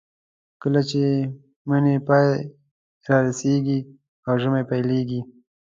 کله چې د مني پای رارسېږي او ژمی پیلېږي.